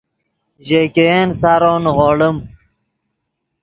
ژے ګئین سارو نیغوڑیم